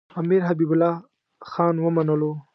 امیر حبیب الله خان ومنلو.